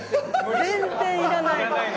全然いらないのに。